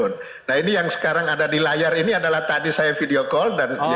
nah ini yang sekarang ada di layar ini adalah tadi saya video call